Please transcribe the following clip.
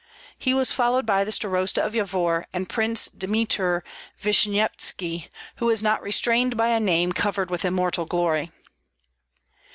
He was followed by the starosta of Yavor and Prince Dymitr Vishnyevetski, who was not restrained by a name covered with immortal glory.